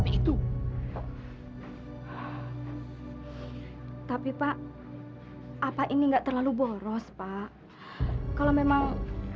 itu tapi pak apa ini enggak terlalu boros pak kalau memang